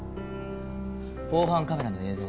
防犯カメラの映像です。